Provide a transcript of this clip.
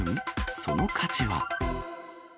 その価値は。